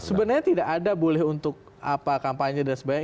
sebenarnya tidak ada boleh untuk apa kampanye dan sebagainya